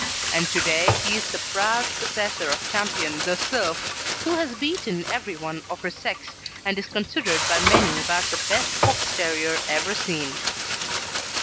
And to day he is the proud possessor of Ch. The Sylph, who has beaten every one of her sex, and is considered by many about the best Fox terrier ever seen.